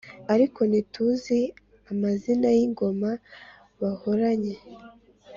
ariko ntituzi amazina y’ingoma bahoranye